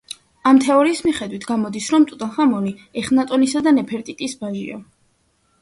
ამ თეორიის მიხედვით, გამოდის, რომ ტუტანხამონი ეხნატონისა და ნეფერტიტის ვაჟია.